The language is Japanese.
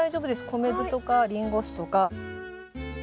米酢とかリンゴ酢とか。